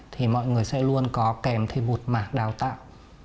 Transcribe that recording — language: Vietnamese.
thì mọi người sẽ luôn có kèm thêm một mạc đào tạo